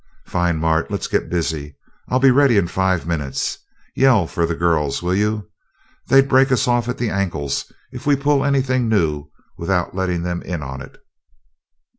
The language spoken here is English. "Fine, Mart let's get busy! I'll be ready in five minutes. Yell for the girls, will you? They'd break us off at the ankles if we pull anything new without letting them in on it."